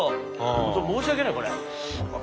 本当申し訳ないこれ。